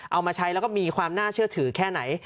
เอามาใช้แล้วก็มีความน่าเชื่อถือแค่ไหน